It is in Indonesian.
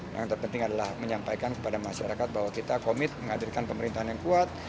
yang terpenting adalah menyampaikan kepada masyarakat bahwa kita komit menghadirkan pemerintahan yang kuat